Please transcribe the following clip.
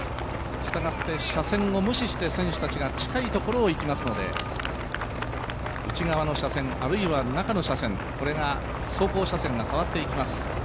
したがって車線を無視して、選手たちが近いところをいきますので内側の車線、あるいは中の車線、これが走行車線が変わっていきます。